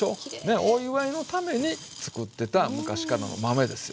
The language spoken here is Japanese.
お祝いのために作ってた昔からの豆ですよね。